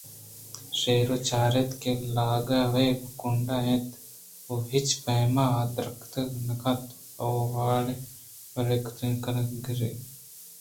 شیر ءَ چار اِت لاگ وَہمے کنڈ ءَ اِنت ءُ ہچ پیم ءَ دراتک نہ کنت ءُ وار ءُ گیگ گِرگ بیت